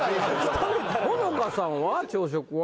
ほのかさんは朝食は？